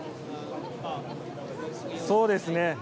そうですね。